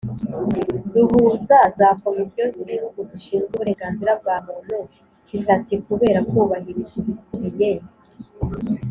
ruhuza za Komisiyo z Ibihugu zishinzwe uburenganzira bwa Muntu Sitati kubera kubahiriza ibikubiye